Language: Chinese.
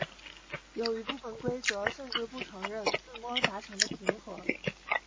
有一部分规则甚至不承认自摸达成的平和。